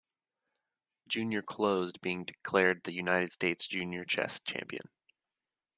Junior Closed being declared the United States Junior Chess Champion.